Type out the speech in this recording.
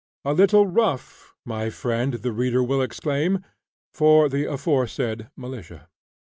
A little rough, my friend the reader will exclaim, for the aforesaid militia.